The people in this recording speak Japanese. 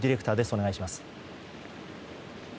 お願いします。